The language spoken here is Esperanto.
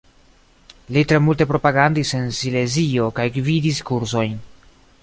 Li tre multe propagandis en Silezio kaj gvidis kursojn.